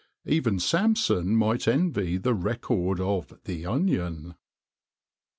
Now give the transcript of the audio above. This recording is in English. Even Samson might envy the record of the Onion!